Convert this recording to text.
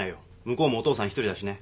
向こうもお父さん一人だしね。